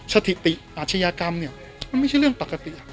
สถิติอาชญากรรมเนี่ยมันไม่ใช่เรื่องปกติ